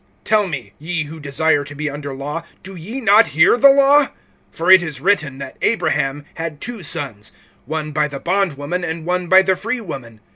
(21)Tell me, ye who desire to be under law, do ye not hear the law? (22)For it is written, that Abraham had two sons, one by the bondwoman, and one by the freewoman.